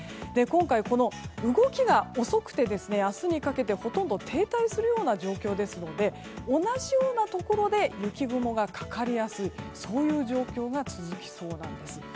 今回、動きが遅くて明日にかけてほとんど停滞するような状況ですので同じようなところで雪雲がかかりやすいそういう状況が続きそうなんです。